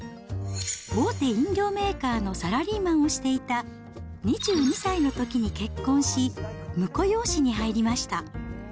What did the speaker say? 大手飲料メーカーのサラリーマンをしていた２２歳のときに結婚し、婿養子に入りました。